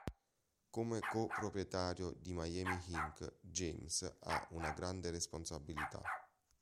Come co-proprietario di Miami Ink, James ha una grande responsabilità.